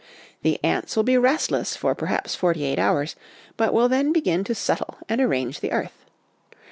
The ants will be restless for perhaps forty eight hours, but will then begin to settle and arrange the earth.